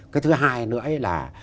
cái thứ hai nữa là